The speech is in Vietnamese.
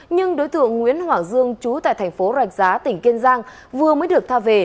nhưng đối tượng nguyễn hoàng dương trú tại thành phố rạch giá tỉnh kiên giang vừa mới được tha về